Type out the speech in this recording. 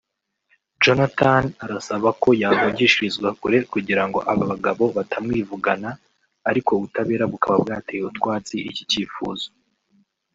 Jonathan arasaba ko yahungishirizwa kure kugira ngo aba bagabo batamwivugana ariko ubutabera bukaba bwateye utwatsi iki cyifuzo